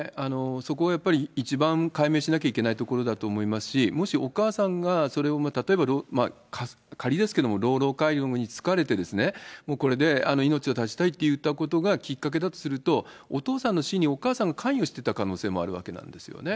そこやっぱり、一番解明しなきゃいけないところだと思いますし、もしお母さんがそれを例えば、仮ですけれども、老老介護に疲れてですね、もうこれで命を絶ちたいって言ったことがきっかけだとすると、お父さんの死にお母さんが関与してた可能性もあるわけなんですよね。